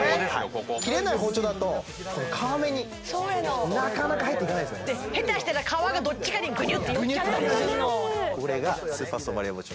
ここ切れない包丁だとこの皮目にそうやのなかなか入っていかないですよねでヘタしたら皮がどっちかにグニュッて寄っちゃったりするのこれがスーパーストーンバリア包丁